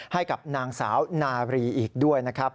ให้กับนางสาวนารีอีกด้วยนะครับ